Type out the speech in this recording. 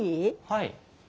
はい。